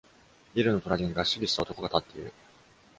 ビルの隣にがっしりした男が立っている。